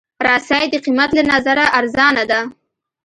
رسۍ د قېمت له نظره ارزانه ده.